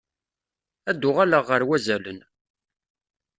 Ad d-uɣaleɣ ɣer wazalen.